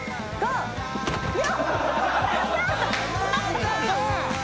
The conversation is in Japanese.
うわ！